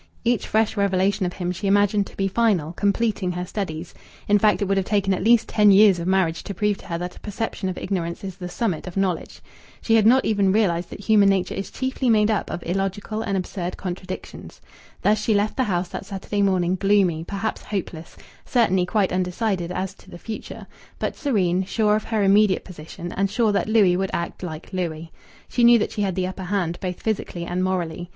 Each fresh revelation of him she imagined to be final, completing her studies. In fact, it would have taken at least ten years of marriage to prove to her that a perception of ignorance is the summit of knowledge. She had not even realized that human nature is chiefly made up of illogical and absurd contradictions. Thus she left the house that Saturday morning gloomy, perhaps hopeless, certainly quite undecided as to the future, but serene, sure of her immediate position, and sure that Louis would act like Louis. She knew that she had the upper hand, both physically and morally.